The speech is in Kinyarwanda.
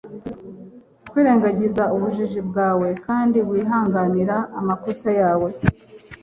kwirengagiza ubujiji bwawe kandi wihanganira amakosa yawe